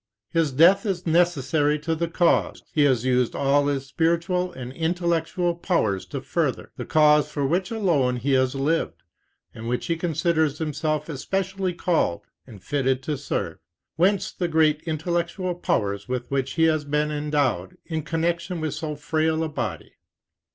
His death is necessary to the cause he has used all his spiritual and intellectual powers to further, the cause for which alone he has lived, and which he considers himself especially called and fitted to serve; whence the great intellectual powers with which he has been endowed, in connection with so frail a body.